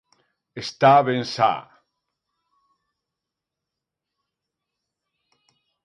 Está ben sa.